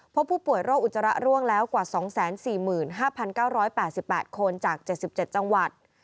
พบผู้ป่วยโรคอุจจาระร่วงแล้วกว่า๒๔๕๙๘๘คนจาก๗๗จังหวัด